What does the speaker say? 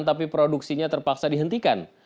tapi produksinya terpaksa dihentikan